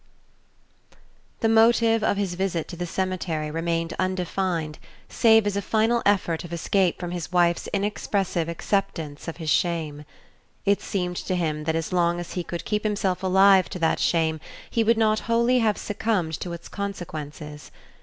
XII The motive of his visit to the cemetery remained undefined save as a final effort of escape from his wife's inexpressive acceptance of his shame. It seemed to him that as long as he could keep himself alive to that shame he would not wholly have succumbed to its consequences.